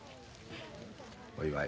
お祝い。